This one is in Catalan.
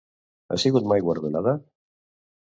Ha sigut mai guardonada?